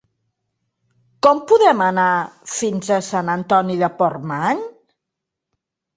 Com podem anar fins a Sant Antoni de Portmany?